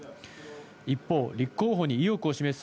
一方、立候補に意欲を示す